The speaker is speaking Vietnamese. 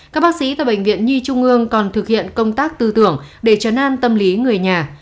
các bác sĩ tại bệnh viện nhi trung ương còn thực hiện công tác tư tưởng để chấn an tâm lý người nhà